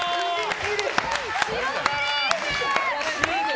白ブリーフ！